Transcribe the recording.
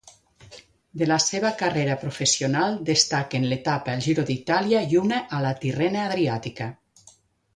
De la seva carrera professional destaquen l'etapa al Giro d'Itàlia i una a la Tirrena-Adriàtica.